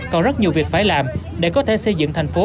còn rất nhiều việc phải làm để có thể xây dựng thành phố